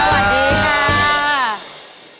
สวัสดีค่ะ